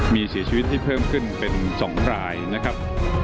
มีเสียชีวิตที่เพิ่มขึ้นเป็น๒รายนะครับ